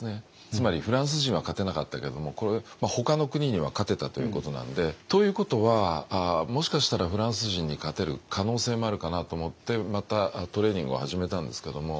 つまりフランス人は勝てなかったけどもほかの国には勝てたということなんでということはもしかしたらフランス人に勝てる可能性もあるかなと思ってまたトレーニングを始めたんですけども。